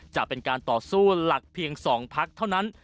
จะเป็นการต่อสู้หลักเพียง๒พักเท่านั้น